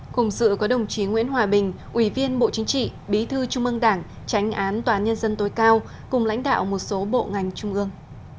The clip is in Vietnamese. cùng dự có đồng chí nguyễn hòa bình ủy viên bộ chính trị bí thư trung ương đảng tránh án tòa án nhân dân tối cao cùng lãnh đạo một số bộ ngành trung ương